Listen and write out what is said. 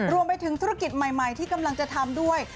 รวมไปถึงธุรกิจใหม่ที่กำลังจะทำด้วย